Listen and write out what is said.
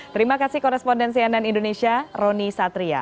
terima kasih korespondensi ann indonesia rony satria